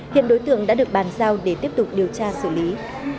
hiện đối tượng đã được bàn giao để tiếp tục điều tra xử lý